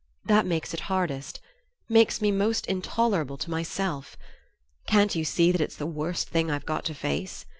that makes it hardest makes me most intolerable to myself. Can't you see that it's the worst thing I've got to face?